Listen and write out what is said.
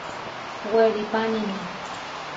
Weripánine.